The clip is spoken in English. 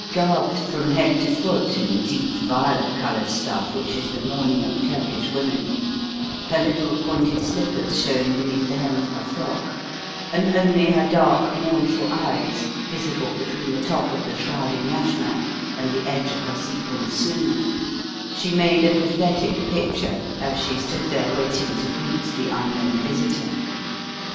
Garbed from head to foot in the deep violet coloured stuff which is the mourning of Turkish women, her little pointed slippers showing beneath the hem of her frock, and only her dark, mournful eyes visible between the top of the shrouding yashmak and the edge of her sequined snood, she made a pathetic picture as she stood there waiting to greet the unknown visitor.